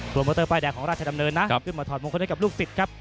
โมเตอร์ป้ายแดงของราชดำเนินนะขึ้นมาถอดมงคลให้กับลูกศิษย์ครับ